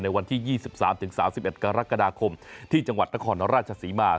วันที่๒๓๓๑กรกฎาคมที่จังหวัดนครราชศรีมา